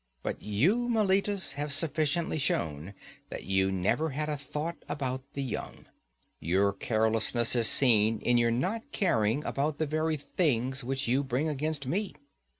But you, Meletus, have sufficiently shown that you never had a thought about the young: your carelessness is seen in your not caring about the very things which you bring against me.